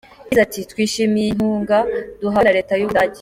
Yagize ati:” Twishimiye iyi nkunga duhawe na leta y’u Budage.